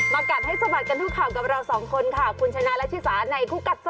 กัดให้สะบัดกันทุกข่าวกับเราสองคนค่ะคุณชนะและชิสาในคู่กัดสะ